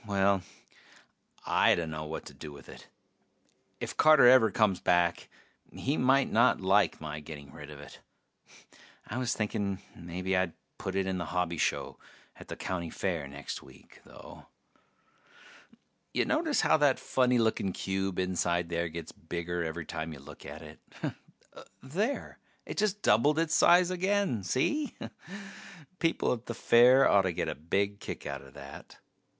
Well, I dunno what to do with it. If Carter ever comes back he might not like my getting rid of it. I was thinking mebbe I'd put it in the hobby show at the county fair next week, though. Ya notice how that funny looking cube inside there gets bigger every time you look at it? There ... it just doubled its size again, see? People at the fair oughtta get a big kick outta that.